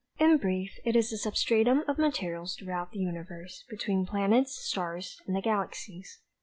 In brief, it is the substratum of materials throughout the universe, between planets, stars and the galaxies.